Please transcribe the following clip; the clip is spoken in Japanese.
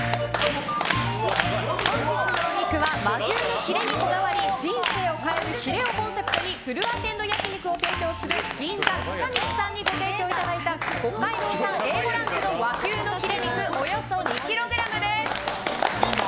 本日のお肉は和牛のヒレにこだわり人生を変えるヒレをコンセプトにフルアテンド焼き肉を提供する銀座ちかみつさんにご提供いただいた北海道産Ａ５ランクの和牛のヒレ肉、およそ２ｋｇです。